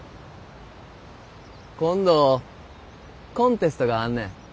今度コンテストがあんねん。